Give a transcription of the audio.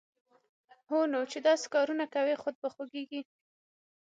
هونو چې داسې کارونه کوی، خود به خوږېږې